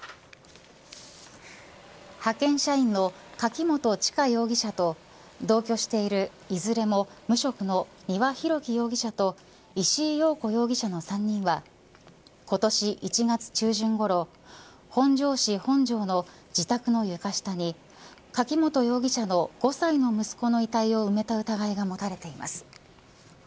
派遣社員の柿本知香容疑者と同居しているいずれも無職の丹羽洋樹容疑者と石井陽子容疑者の３人は今年１月中旬ごろ本庄市本庄の自宅の床下に柿本容疑者の５歳の息子の遺体を埋めた疑いが持たれています。